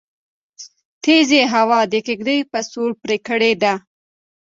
تيزې هوا د کيږدۍ پسول پرې کړی دی